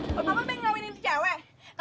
oh kamu pengen ngawinin itu cewek